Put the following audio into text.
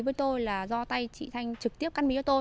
với tôi là do tay chị thanh trực tiếp cắt mí cho tôi